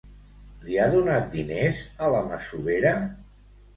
Li ha donat diners a la masovera?